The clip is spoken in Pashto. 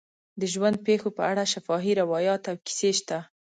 د ژوند پېښو په اړه شفاهي روایات او کیسې شته.